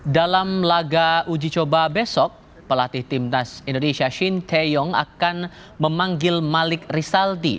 dalam laga uji coba besok pelatih tim nas indonesia shin teyong akan memanggil malik risaldi